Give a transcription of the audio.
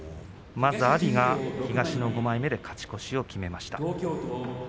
まず、阿炎が東の５枚目で勝ち越しを決めました。